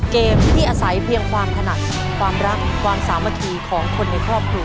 เกมที่อาศัยเพียงความถนัดความรักความสามัคคีของคนในครอบครัว